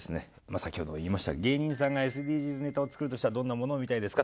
先ほど言いました「芸人さんがＳＤＧｓネタを作るとしたらどんなものを見たいですか」。